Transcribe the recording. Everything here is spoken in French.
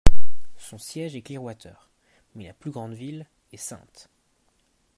Son siège est Clearwater mais la plus grande ville est St.